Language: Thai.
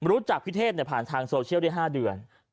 รู้จักพี่เทพผ่านทางโซเชียลได้๕เดือน